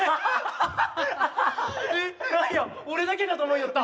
えっ何や俺だけかと思いよった。